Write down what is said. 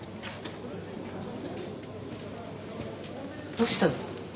どうしたの？